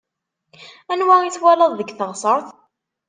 Anwa i twalaḍ deg teɣseṛt?